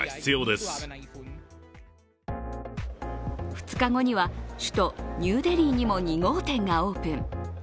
２日後には、首都ニューデリーにも２号店がｏｐｅｎ。